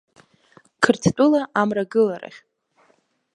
Қырҭтәыла амрагыларахь.